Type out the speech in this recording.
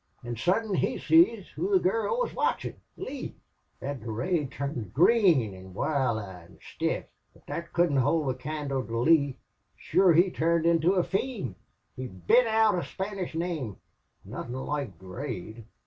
An' sudden he seen who the gurl wuz watchin' Lee. "Thot Durade turned green an' wild eyed an' stiff. But thot couldn't hould a candle to Lee. Shure he turned into a fiend. He bit out a Spanish name, nothin' loike Durade.